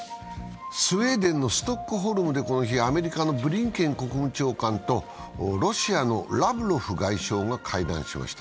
スウェーデンのストックホルムでこの日、アメリカのブリンケン国務長官とロシアのラブロフ外相が会談しました。